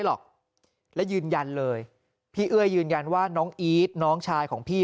หรอกและยืนยันเลยพี่เอ้ยยืนยันว่าน้องอีทน้องชายของพี่